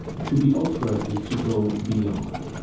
To be ultra is to go beyond.